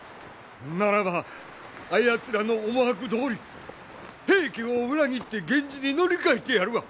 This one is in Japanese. ならばあやつらの思惑どおり平家を裏切って源氏に乗り換えてやるわ！